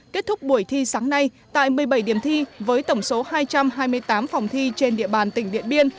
kết thúc buổi thi sáng nay tại một mươi bảy điểm thi với tổng số hai trăm hai mươi tám phòng thi trên địa bàn tỉnh điện biên